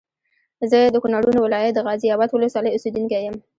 زه د کونړونو ولايت د غازي اباد ولسوالۍ اوسېدونکی یم